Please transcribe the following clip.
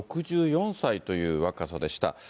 ６４歳という若さでした。